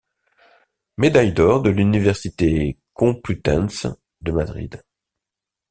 Médaille d’Or de l’Université Complutense de Madrid.